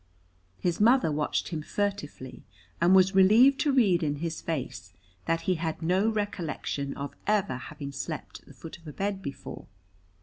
His mother watched him furtively, and was relieved to read in his face that he had no recollection of ever having slept at the foot of a bed before.